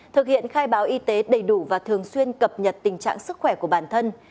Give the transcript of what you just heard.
thực hiện khai báo y tế đầy đủ và thường xuyên cập nhật tình trạng sức khỏe của bản thân